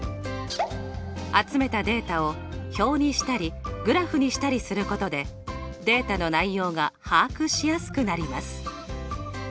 集めたデータを表にしたりグラフにしたりすることでデータの内容が把握しやすくなります。